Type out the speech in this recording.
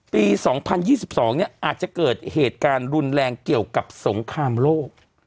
ปี๒๐๒๒อาจจะเกิดเหตุการณ์รุนแรงเกี่ยวกับสงครามโลก